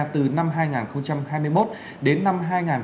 từ năm hai nghìn hai mươi một đến năm hai nghìn hai mươi ba